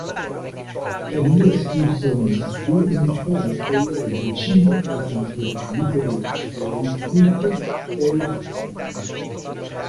Per gli escursionisti una strada collega i cinque Parchi naturali dello Schleswig-Holstein.